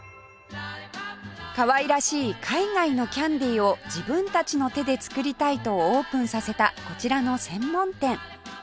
かわいらしい海外のキャンディーを自分たちの手で作りたいとオープンさせたこちらの専門店